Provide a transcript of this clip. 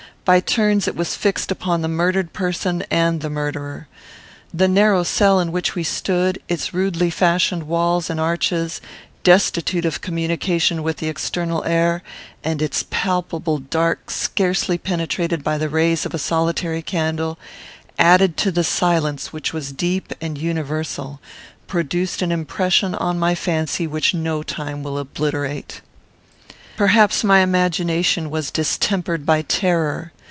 By turns it was fixed upon the murdered person and the murderer. The narrow cell in which we stood, its rudely fashioned walls and arches, destitute of communication with the external air, and its palpable dark scarcely penetrated by the rays of a solitary candle, added to the silence which was deep and universal, produced an impression on my fancy which no time will obliterate. Perhaps my imagination was distempered by terror.